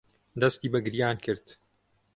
دەستی بە گریان کرد.